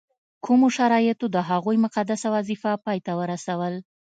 کومو شرایطو د هغوی مقدسه وظیفه پای ته ورسول.